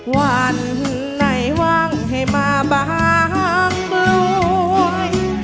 วันไหนว่างให้มาบางบรวย